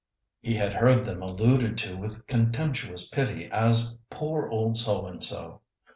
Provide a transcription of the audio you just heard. He had heard them alluded to with contemptuous pity as "Poor old So and so!